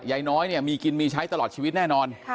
ยายน้อยเนี่ยมีกินมีใช้ตลอดชีวิตแน่นอน